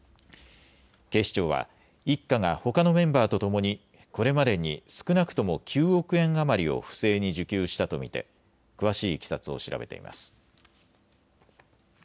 警視庁は一家がほかのメンバーとともにこれまでに少なくとも９億円余りを不正に受給したと見て詳しいいきさつを調べています。